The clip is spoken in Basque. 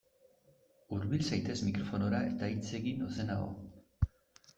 Hurbil zaitez mikrofonora eta hitz egin ozenago.